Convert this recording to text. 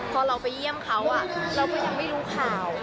พอเราไปเยี่ยมเขาเราก็ยังไม่รู้ข่าว